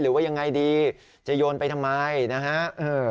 หรือว่ายังไงดีจะโยนไปทำไมนะฮะ